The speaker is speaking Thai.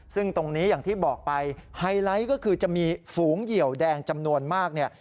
ซึ่งตรงนี้อย่างที่บอกไปไฮไลท์ก็คือจะมีฝูงเหยียวแดงจำนวนมากเนี่ย